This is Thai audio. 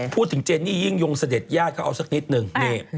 พูดถึงเจนนี่ยิ่งยงเสด็จญาติเขาเอาสักนิดนึง